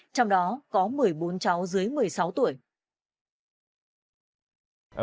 trong đó có một mươi bốn cháu dưới một mươi sáu tuổi